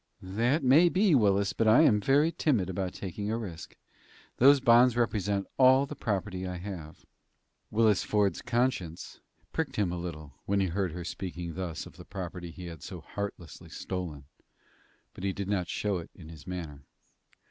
"That may be, Willis, but I am very timid about taking a risk. Those bonds represent all the property I have." Willis Ford's conscience pricked him a little, when he heard her speaking thus of the property he had so heartlessly stolen; but he did not show it in his manner.